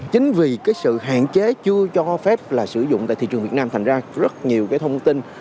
chính vì cái sự hạn chế chưa cho phép là sử dụng tại thị trường việt nam thành ra rất nhiều cái thông tin